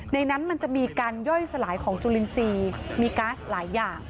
ในนั้นมันจะมีการย่อยสลายของจุลินทรีย์มีก๊าซหลายอย่าง